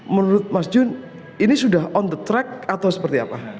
menurut mas jun ini sudah on the track atau seperti apa